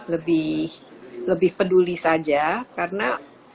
lebih lebih peduli saja karena